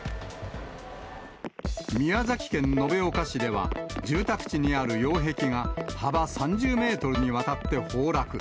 宮崎県延岡市では、住宅地にある擁壁が、幅３０メートルにわたって崩落。